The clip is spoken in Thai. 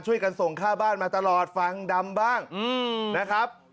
ช่วยกันส่งค่าบ้านมาตลอดฟังดำบ้างนะครับ